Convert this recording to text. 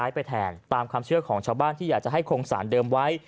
ไปแทนตามความเชื่อของชาวบ้านที่อยากจะให้คงสารเดิมไว้